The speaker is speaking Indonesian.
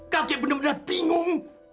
kakek benar benar bingung